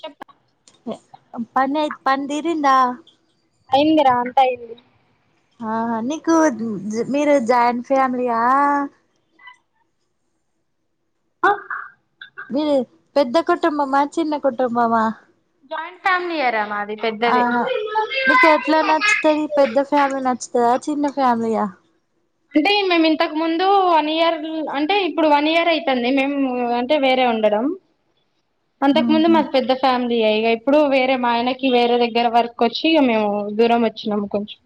చెప్ప పనయి పని దీరిందా అయిందిరా అంతా అయింద ఆహా నీకు మీరు జాయింట్ ఫ్యామిలీయా మీరు పెద్ద కుటుంబమా చిన్న కుటుంబమా జాయింట్ ఫ్యామిలియారా మాది పెద్దది ఆహా నీకు ఎట్లా నచ్చుతుది ఈ పెద్ద ఫ్యామిలీ నచ్చుతుద చిన్న ఫ్యామలీయా అంటే మేము ఇంతకు ముందు వన్ ఇయర్ అంటే ఇప్పుడు వన్ ఇయర్ అవుతుంది మేము అంటే వేరే ఉండడం అంతకు ముందు ఉహు మాదీ పెద్ద ఫ్యామిలీ అ ఇక ఇప్పుడు వేరే మా ఆయనకి వేరే దగ్గర వర్క్ వచ్చి ఇక మేము దూరం వచ్చినాము కొంచెం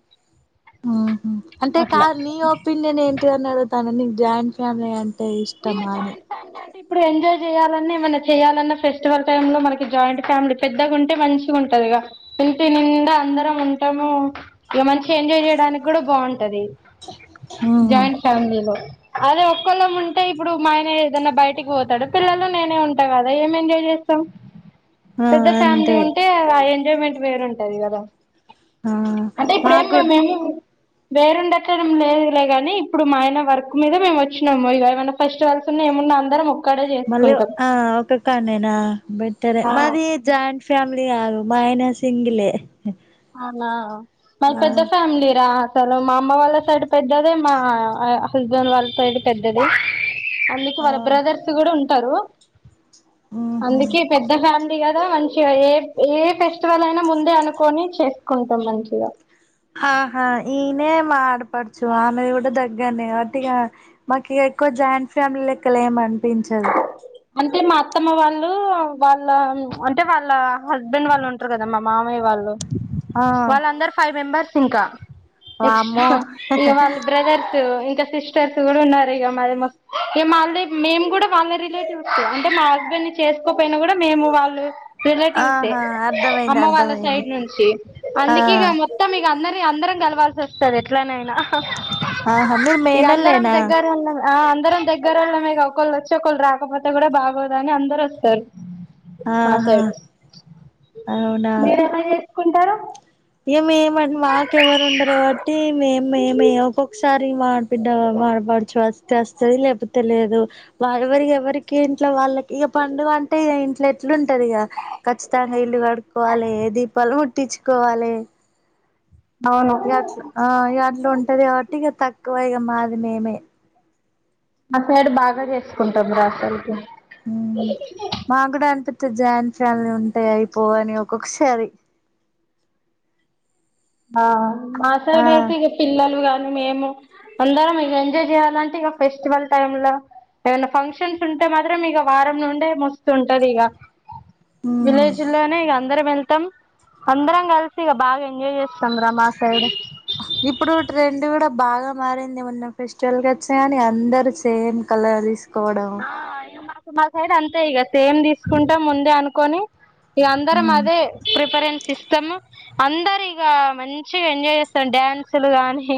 అంటే అట్లా కదు నీ ఒపీనియన్ ఇంటిదని అడతాన నీ జాయింట్ ఫ్యామిలీ అంటే అంటే ఇష్టమాని అంటే ఇప్పుడు ఎంజాయ్ చేయాలని ఏ మనా చేయాలన్న ఫెస్టివల్ టైమ్ లో మనకి జాయింట్ ఫ్యామిలీ పెద్దగా ఉంటే మంచిగా ఉంటది ఇంటి నిండా అందరం ఉంటాము ఇక మంచి ఎంజాయ్ చేయడానికి కూడా బాగుంటది ఉ జాయింట్ ఫ్యామిలీలో అదే ఒక్కళ్ళముంట అంటే ఇప్పుడు మా ఆయనే ఏదన్నా బయటికి పోతాడు పిల్లలు నేనే ఉంటా కదా ఏం ఎంజాయ్ చేస్తాం ఆ పెద్ద ఫ్యామిలీ అంతే ఉంటే ఎంజాయ్మెంట్ వేరుంటది కదా ఆ అంటే ఇప్పుడు ఏం మాకు కూడా మేమేమి వేరుండే ఎక్కడ ఏం లేదులే గాని ఇప్పుడు మా ఆయన వర్క్ మీద మేము వచ్చినాము ఇగా ఏమ ఫెస్టివల్స్ ఉన్న ఏమున్నా అందరం ఒక్కడే మళ్ళీ చేసుకుంటాం ఆ ఒక్క కాడ్నేనా ఆ మాది జాయింట్ ఫ్యామిలీ కాదు మా ఆయన సింగిలే ఆ ఆ మది ఆ పెద్ద ఫ్యామిలీ రా అసలు మా అమ్మ వాళ్ళ సైడ్ పెద్దది మా హస్బెండ్ వాళ్ళ సైడ్ పెద్దది. అందుకే ఆ వాళ్ళ బ్రదర్స్ కూడా టారు ఉహు అందుకే పెద్ద ఫ్యామిలీ ఉంది కదా మంచిగ ఏ ఏ ఫెస్టివల్ అయినా ముందే అనుకోని చ్ చేస్కుంటాం మంచిగా. ఆహా ఈడ్నే మా ఆడపడుచు ఆమెది కూడా దగ్గరనే కావట్టి ఇహ మాకు ఇహ ఎక్కువ జాయింట్ ఫ్యామిలీ లెక్క అలఏం అనిపించదు. అంటే మా అత్తమ్మ వాళ్లూ వాళ్ల త్చ్ అంటే వాళ్ల హస్బెండ్ వాళ్లు ఉంటరు కదా మా మామయ్య వాళ్లు. ఆ వాళ్లందరు ఫైవ్ మెంబర్స్. ఇంకా వామ్మో [unintelligible] ఇహ వాళ్ల బ్రదర్ ఇంకా సిస్టర్స్ గూడ ఉన్నారు ఇగ మరి మ ఇగ మాల్ది మేమ్ కూడా వాళ్ల రిలేటివ్స్, అంటే మా హస్బెండ్ ని చేస్కోపోయినా కూడా మేము, వాళ్లు రిలేటివ్సే ఆహా అర్థమైంది అమ్మ వాళ్ల అర్థమైంది సైడ్ నుంచి, ఆ అందుకే ఇక మొత్తం ఇక అందరి అందరం కలవాల్సొస్తది ఎట్లనైనాహ్. ఆహా మీరు మేనల్లేనా? దగ్గరోళ్ళం ఆ అందరం దగ్గరోళ్ళమేగా ఒకళ్ల ఒచ్చి ఒకళు రాకపోతే కూడా బాగోదు అని అందరు ఒస్తారు. మా ఆహా సైడ్ అవునా కుంటారు. ఇహ మేమం మాకు ఎవరు ఉండరు కావట్టీ మేం మేమే ఒక్కొక్కసారి మా ఆడబిడ్డా మా ఆడపడుచు [unintelligible] చేస్తది లేపొతే లేదు. వా ఎవరి ఎవరికి ఇంట్లో వాళ్లకి ఇహ పండుగ అంటే ఇహ ఇంట్లో ఎట్లుం [unintelligible] ఇహ, ఖచ్చితంగా ఇల్లు కడుక్కకోవాలే దీపాలు ము ట్టిచ్చుకోవాలే. అ [inaudible] అవును ఇహట్ల ఆ ఇహ అట్లుంటది కావట్టి, ఇహ త క్కువ ఇగ మాది మేమే. మా సైడ్ బాగా చేసుకుంటాం రా అసలుకి జాయిన్ ఫ్యాన్లు ఉంటాయి అయిపో అని ఒక్కొక్కసారి. ఆ ఆసరమైతే ఇహ పిల్లలుగా మేము అందరం ఇజ్ ఎంజాయ్ చేయాలంటే ఇగ ఫెస్టివల్ టైమ్ లో, ఏవన్నా ఫంక్షన్స్ ఉంటే మాత్రం ఇగ వారం నుండే మస్తుంటది ఇగ. ఆ విలేజ్ లోనే ఇగ అందరం ఎల్ [unintelligible] అందరం కలిసి ఇగ బాగా ఎంజాయ్ చేస్ [unintelligible] ఆ సైడ్. ఇప్పుడూ ట్రెండ్ కూడా బాగా మారింది, మొన్న ఫెస్టివల్ కి ఒచ్చినగాని ఇహ అందరు సేమ్ కలర్ తీస్ ఆ ఇ మాసైడ్ అంతే ఇగ సేమ్ తీస్కుంటే ముందే అనుకొని ఇహ అందరం అదే ప్రిఫరెన్స్ ఇస్ స్తము, అందరు ఇగా మంచిగా ఎంజాయ్ చేస్తాం డ్యాన్సులు గానీ.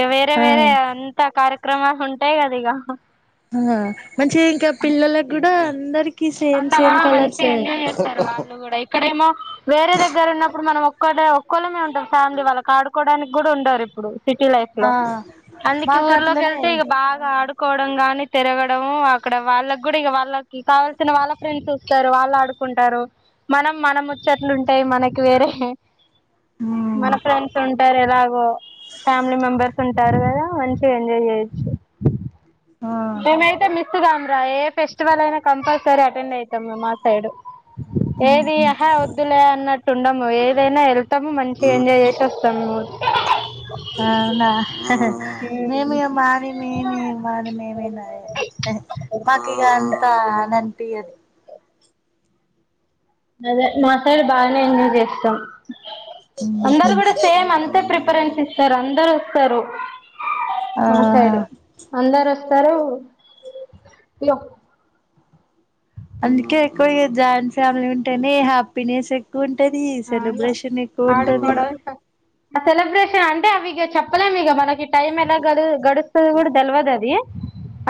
ఈ వేరే ఆ వేర అంత కార్య క్రమాలు ఉంటాయి కదా ఇక ఆ మంచి ఇంకా పిల్లలకి కూడా అందరి వాళ్ళ మంచి ఎంజాయ్ చేస్తారు వాళ్ళు కూడా ఇక్కడేమో వేరే దగ్గర ఉన్నప్పుడు మనం ఒక్కడే ఒక్కళ్ళమే ఉంటాం ఫ్యామిలీ వాళ్ళ ఆడుకోవడానికి కూడా ఉండారు ఇప్పుడు సిటీ లైఫ్ లో ఆ అందుక మాకు ఊర్లోకి అట్లనే వెళ్తే ఇక బాగా ఆడు కోవడం గాని తిరగడం అక్కడ వాళ్ళకి కూడా ఇ వాళ్ళకి కావల్ సినా వాళ్ళ ఫ్రెండ్స్ వాస్తారు వాళ్ళు ఆడుకుంటారు మనం మనం ముచ్చేట్లుంటేయి మనకి వేరే మన ఫ్రెండ్స్ ఉంటారు ఎలాగో ఫ్యామిలీ మెంబెర్స్ ఉం తారు కదా మంచిగా ఎంజాయ్ చేయొచ్చు ఆ మేమైతే మిస్ కాము రా ఏ ఫెస్టివల్ అయినా కంపల్సరీ అటెండ్ అయితాము మా సైడ్ ఏది అహా వద్దులే అన్నట్ టూ ఉండమ్ము ఏదైనా ఎ స్తాము మంచిగా ఎంజాయ్ చేసి వస్తాము అవునా ఏమైనా మాకు ఇక అంతా న టీ ది అదే మా సైడ్ బాగానే ఎంజాయ్ చేస్తాం అందరూ కూడా సేమ్ అంతే ప్రిఫరెన్స్ ఇస్తారు అందరూ సారు ఆహా మాసైడు అందర సారు అందుకే ఎక్కువ జాయింట్ ఫ్యామిలీ ఉంటేనే హ్యాపీనెస్ ఏ ఎక్కువా ఉంటది అవును సెలబ్రేషన్ ఎక్కువ ఉంటది ఆడుకోవడం ఆ సెలబ్రేషన్ అంటే అవిక చెప్పలేం ఇక మనకి టైం ఎలా గ గడు కూడా తెల్వద అది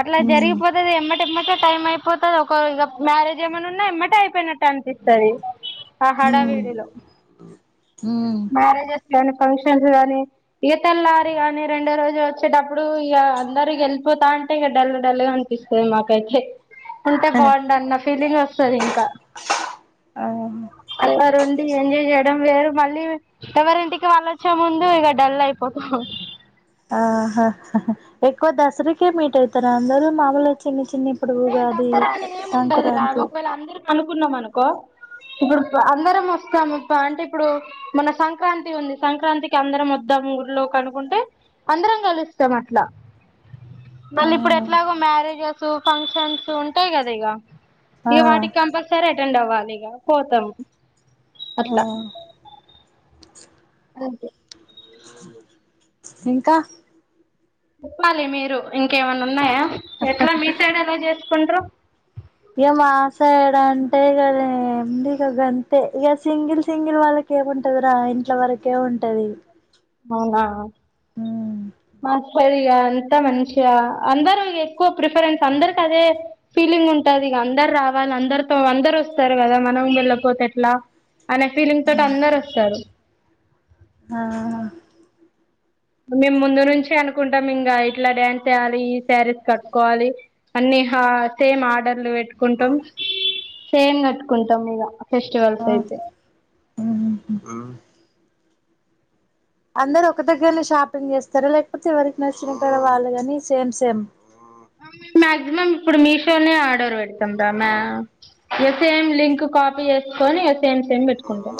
అట్లా ఉమ్ జరిగిపోతుది ఎమ్మటిమ్మ టైం అయిపోతుది ఒక ఇక మ్యారేజ్ ఏమైన్నా ఉన్నా ఇమ్మటే అయిపోయినట్టు అనిపిస్తుంది ఆ హడావిడిలో హమ్ కానీ ఫంక్షన్స్ కాని ఇక తెల్లారి గాని రెండో రోజు వచ్చేటప్పుడు ఇక అందరికి వెళ్ళిపోతా అంటే ఇక డల్ డల్ గా అనిపిస్తుంది మాకైతే ఉంటే బాగుండు అన్న ఫీలింగ్ వస్తంది ఇంకా ఆ అరు ఉ చేయడం వేరు మళ్ళీ ఎవరింటికి వాళ్ళచ్చే ముందు ఇక డల్ అయిపోతాం ఆహా ఎక్కువ దసరాకే మీట్ అయితారు అందరుూ మామలుగా చిన్ని చి ఏ దసరా అని ఏముండదు ఒకవేళ అందరుక అనుకున్నాం అనుకో ఇప్పుడు అందరం వస్తాం అంటే ఇప్పుడు మన సంక్రాంతి ఉంది, సంక్రాంతికి అందరం వద్దాం ఊలోకి అనుకుంటే, అందరం కలుస్తాం అట్లా ఆ మళ్ళీ ఇప్పుడు ఎట్లాగో మ్యారేజెస్ ఫంక్షన్స్ ఉంటాయి కదా ఇగ ఆ ఈ వాటికి కంపల్సరి అటెండ్ అ అనిగా పోతాం ఆ అట్లా ఒకే ఇంకా చెప్పాలి మీరు ఇంకేమన్నా ఉన్నాయా ఎట్లా మీ సైడ్ ఎలా చేసుకుంట్రూ ఇక మా సైడ్ అంటే ఇద ఏంది ఇక అంతే, ఇక సింగిల్ సింగిల్ వాళ్ళక ఏమింటది రా ఇంట్ల వరకేమింటది అవునా బస్ అది ఇక అంత మంచిగా అందరు ఎక్కువ ప్రిఫరెన్స్ అందరికి అదే ఫీలింగ్ ఉంటది, ఇక అందరు రావాలి అందరితో అందరు వస్తారు కదా మనం వెళ్ళపోతే ఎట్లా అనే ఫీలింగ్ తోటి అందరు వస్తారు ఆ మేము ముందు నుంచి అనుకుంటాం ఇంకా ఇట్లా డ్యాన్స్ చేయాలి ఈ శారీస్ కట్టుకోవాలి, అన్ని సేమ్ ఆర్డర్లు పెట్టుకుంటాం, సేమ్ కట్టుకుంటాం ఇక ఫెస్టివల్స్ ఆ అయితే అందరు ఒక దగ్గరనే షాపింగ్ చేస్తారు, లేకపోతే ఎవరికి నచ్చినారు వాళ్ళు కాని సేమ్ సేమ్ మ్యాక్సిమం ఇప్పుడు మీషోనే ఆర్డర్ పెడతాం రా మ సేమ్ లింక్ కాపీ చేసుకొని సేమ్ సేమ్ పెట్టుకుంటాం.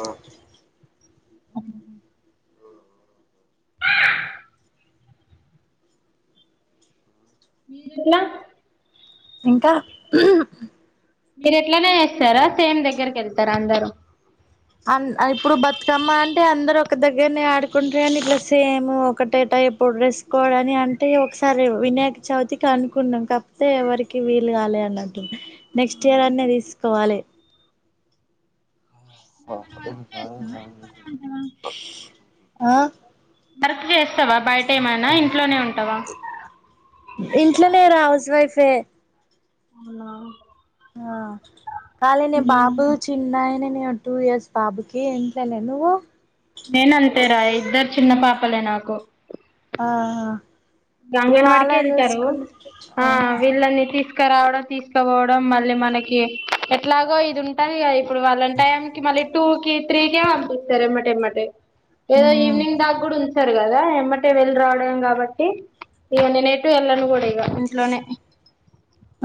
మీరుట్లా ఇంకా మీరు ఎట్లానే చేస్తారా సేమ్ దగ్గరకి వెళ్తారా అందరుూ అ ఇప్పుడు బతుకమ్మ అంటే అందరు ఒక దగ్గరనే ఆడుకుంటారు అని, ఇట్లా సేమ్ ఒకటేటా ఎప్పుడు డ్రెసుకోవడని అంటే ఒకసారి వినాయక చవితికి అనుకున్నాం, కాకపోతే ఎవరికి వీలుగాలే అని అంటు నెక్స్ట్ ఇయర్ అన్ని తీసుకోవాలి. [inaudible] ఆ బర్కు వస్తావా బయట ఏమైనా ఇంట్లోనే ఉంటావా ఇంట్లోనే రా హౌస్ వైఫే అవునా ఆ కానీ నీ బాబు చిన్నయని నేను టూ ఇయర్స్ బాబుకి ఎంట్లనే నువ్వు నేన అంతేరా ఇద్దరు చిన్న పాపలే నాకు ఆ అ గంగన్వాడికి వెళ్తారు ఆ వీళ్ళని తీసుకు రావడం తీసుకుపోవడం మళ్ళీ మనకి ఎట్లాగో ఇది ఉంటాది కా ఇప్పుడు వాలంటైమ్ క మ టూ క త్ర్రి క అపిస్తర ఎమా ఏదో ఈవనింగ్ దాకా కూడా ఉ చరు కదా ఎమ్మటే వెళ్ళి రావడం కాబట్టి ఇవ నేనెటు ఎల్లను కూడా ఇంట్లోనే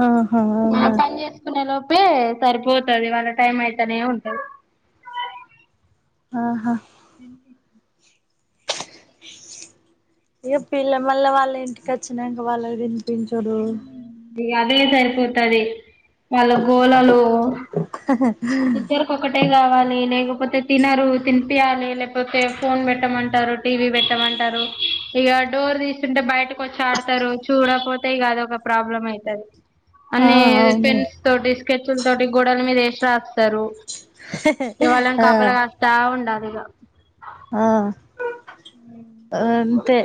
ఆహా అవునా పని చేసుకునే లో పే సరిపోతది వాళ్ళ టైం అయితనే ఉంటది ఆహా ఏంటి ఇక పిల్ల మళ్ళ వాళ్ళ ఇంటికి వచ్చినాంక వాళ్ళ గురించి తన్ చారు ఇగ అదే సరిపోతది వాళ్ళ గోళలు ఇద్దరు కొక్కటే కావాలి లేకపోతే తినరు తినిపియాలి లేకపోతే ఫోన్ పెట్టమంటారు టీవీ పెట్టమంటారు ఇక డోర్ తీస్తుంటే బయటకు వచ్చి ఆడతారు చూడకపోతే ఇక అదొక ప్రాబ్లం అయితది ఆ అన్ని అవును పెన్స్ తోటి స్కెచ్ల తోటి గోడల మీద వేసి రాస్త తరు ఇగ వాళ్ళని ఆ కాపలా కాస్తా ఉండాల ఇగా ఆ అంతే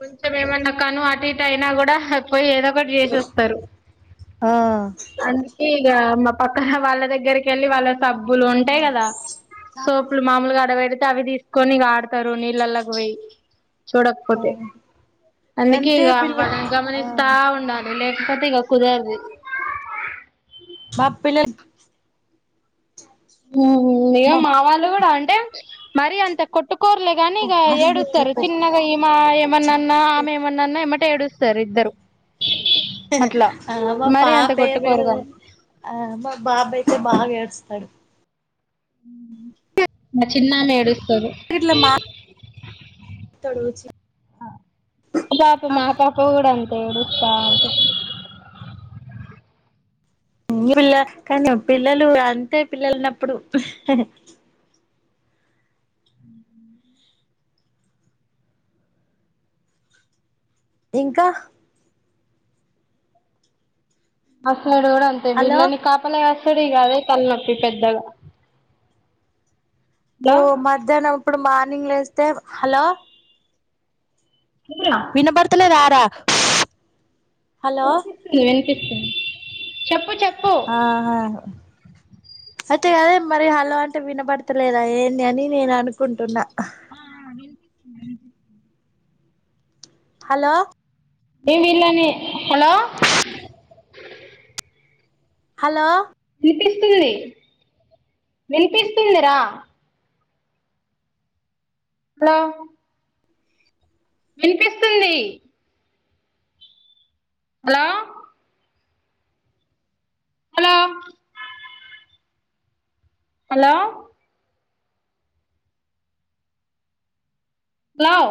కొంచం ఏమన్నా కను అటు ఇటు అయినా కూడా పోయి ఏదో ఒకటి చేసి వస్తారు ఆ అందుకే ఇగ మా పక్కన వాళ్ళ దగ్గరికి వెళ్ళి వాళ్ళ సబ్బులు ఉంటాయి కదా సోపులు మామూలుగా ఆడవెడితే తే అవి తీసుకొని ఇగ ఆడతార్ నీళ్ళలోకి పోయి ఆ చూడకపోతే అందుకే అంతే ఇగ పిల్ల మనం ఆ గమనిస్తా ఉండాలి లే పతే ఇగ కుదరదు ఇది మా పిల్లలు ఉ ఇగ మా వాళ్ళు కూడా అంటే మరీ అంత కొట్టు కోర్లే గాని ఇక ఆడున్నది ఏడుస్తారు తెపో చిన్నగా ఈమా ఏమన్నా చాక్ అన్నా పీస్ ఆమె తెపో ఏమన్నా అన్నా ఎమ్మటే ఏడుస్ స్తారు ఇద్దరు హి అట్లా హి మ మరి అంత పాప ఏం కొట్టుకోరు ఏడ్వదు కాని ఆ మా బాబయితే బాగా ఏ స్తడు ఉ మా చిన్న లేడ్ తరు త్తడు పాప మా పాప కూడా అన్ ఏడుస్తా ఉన్ హు మీ పిల్ల కానీ పిల్లలు అంతే పిల్లలున్నప్పుడు ఇంకా అహ్ వీడు కూడా అంతే హలో వీళ్ళని కాపల కాస్ సుడు ఇగ అదే తలనొప్పి పెద్దగా ఓ మధ్యాహ్నం ఇప్పుడు మా ర్నింగ్ లేస్తే హలో హలో విన్నపడుతలేదా రా హలో చెప్పింది చెప్పు చెప్ ఆహ అయితే గదే మరి హలో అంటే వినబడతలేదా ఏంది అని నేను అనుకుంటున్నా [inaudible] హలో యి వీళ్ళని హలో హలో వినిపిస్తుంది వినిపిస్తుంది రా హలో వినిపిస్తుంది హలో హలో హలో హలో